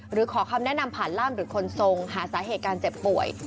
หรือขอคำแนะนำผ่านล่ามหรือคนทรงหาสาเหตุการเจ็บป่วย